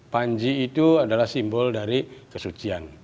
panji itu adalah simbol dari kesucian